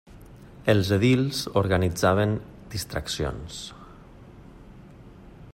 Els edils organitzaven distraccions.